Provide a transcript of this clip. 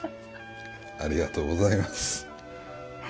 ありがとうございます。